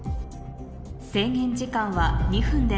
制限時間は２分です